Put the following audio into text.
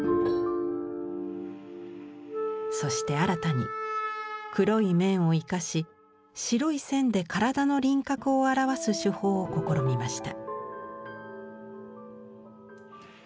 そして新たに黒い面を生かし白い線で体の輪郭を表す手法を試みました。